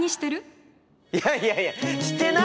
いやいやいやしてないですよ！